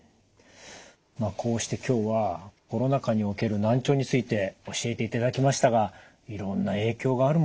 まあこうして今日はコロナ禍における難聴について教えていただきましたがいろんな影響があるもんですね。